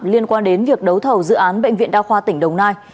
liên quan đến việc đấu thầu dự án bệnh viện đa khoa tỉnh đồng nai